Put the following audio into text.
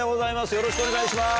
よろしくお願いします。